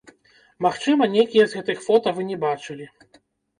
Магчыма, нейкія з гэтых фота вы не бачылі.